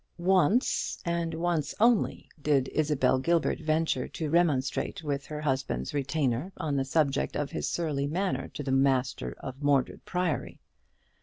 Once, and once only, did Isabel Gilbert venture to remonstrate with her husband's retainer on the subject of his surly manner to the master of Mordred Priory.